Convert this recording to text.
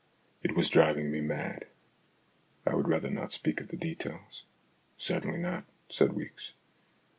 It was driving me mad. I would rather not speak of the details." " Certainly not," said Weeks.